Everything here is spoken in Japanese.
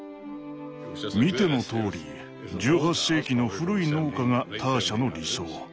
見てのとおり１８世紀の古い農家がターシャの理想。